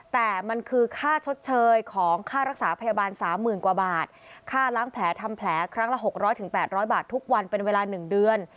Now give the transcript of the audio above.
แต่มันคือค่าชดเชยของค่ารักษาพยาบาล๓๐๐๐กว่าบาทค่าล้างแผลทำแผลครั้งละ๖๐๐๘๐๐บาททุกวันเป็นเวลา๑เดือน